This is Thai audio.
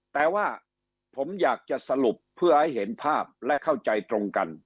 แต่ว่าผมอยากจะสรุปเพื่อให้เห็นภาพและเข้าใจตรงกัน